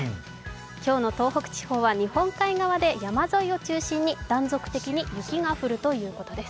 今日の東北地方は日本海側で、山沿いを中心に断続的に雪が降るということです。